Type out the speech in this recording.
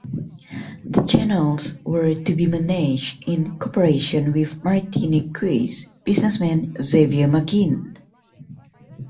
The channels were to be managed in cooperation with martiniquais businessman Xavier Magin.